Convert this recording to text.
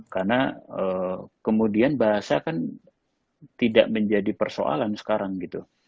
karena kemudian bahasa kan tidak menjadi persoalan sekarang gitu